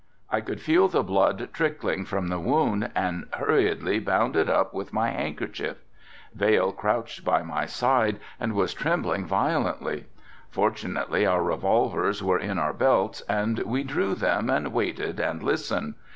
I could feel the blood trickling from the wound and hurriedly bound it up with my handkerchief. Vail crouched by my side and was trembling violently. Fortunately our revolvers were in our belts and we drew them and waited and listened.